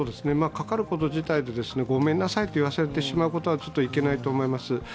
かかること自体でごめんなさいと言わせてしまうのはいけないと思います。